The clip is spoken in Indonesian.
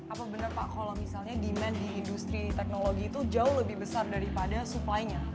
apa benar pak kalau misalnya demand di industri teknologi itu jauh lebih besar daripada supply nya